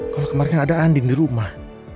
kalau kemarin kan ada andin di rumah